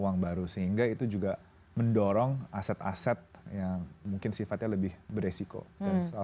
uang baru sehingga itu juga mendorong aset aset yang mungkin sifatnya lebih beresiko dari soal